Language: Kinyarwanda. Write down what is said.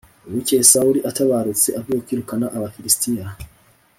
Bukeye Sawuli atabarutse avuye kwirukana Abafilisitiya